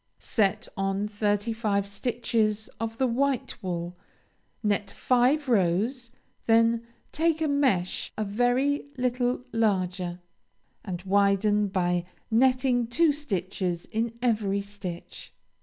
Set on thirty five stitches of the white wool. Net five rows, then take a mesh a very little larger, and widen by netting two stitches in every stitch.